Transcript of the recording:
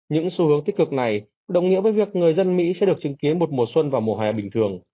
những xu hướng tích cực này đồng nghĩa với việc người dân mỹ sẽ được chứng kiến một mùa xuân vào mùa hè bình thường